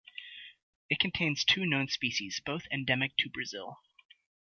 It contains two known species, both endemic to Brazil.